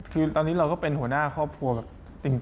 คือตอนนี้เราก็เป็นหัวหน้าข้อพวง